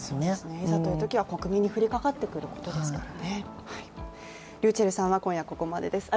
いざというときは国民に降りかかってくることですからね。